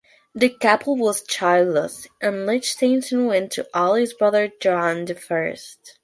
The couple was childless, and Liechtenstein went to Aloys' brother Johann the First.